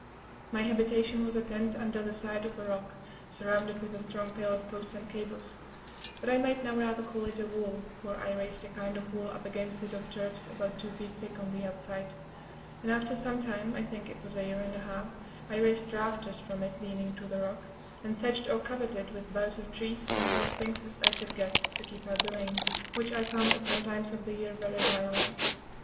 My habitation was a tent under the side of a rock, surrounded with a strong pale of posts and cables; but I might now rather call it a wall, for I raised a kind of wall up against it of turfs, about two feet thick, on the outside; and after some time (I think it was a year and a half) I raised rafters from it, leaning to the rock, and thatched or covered it with boughs of trees, and such things as I could get, to keep out the rain; which I found at some times of the year very violent.